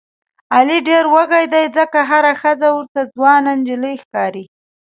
علي ډېر وږی دی ځکه هره ښځه ورته ځوانه نجیلۍ ښکاري.